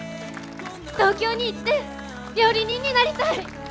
東京に行って料理人になりたい！